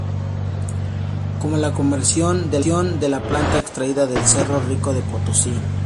Como la comercialización de la plata, extraída del cerro rico de Potosí.